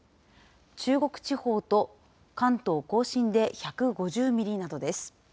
中国地方と関東甲信で１５０ミリなどです。